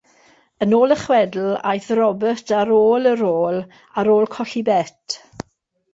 Yn ôl y chwedl, aeth Robert ar ôl y rôl ar ôl colli bet.